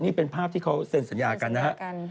นี่เป็นภาพที่เขาเซ็นสัญญากันนะฮะ